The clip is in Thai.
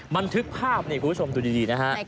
มันถึกภาพคุณผู้ชมดูดีนะครับ